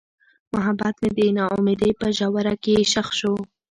محبت مې د نا امیدۍ په ژوره کې ښخ شو.